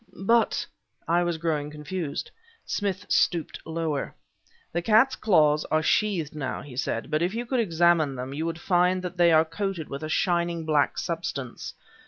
"But" I was growing confused. Smith stooped lower. "The cat's claws are sheathed now," he said; "but if you could examine them you would find that they are coated with a shining black substance.